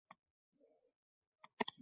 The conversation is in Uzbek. U tislandi derazadan sakradi.